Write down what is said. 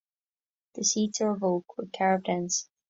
The seats are of oak with carved ends.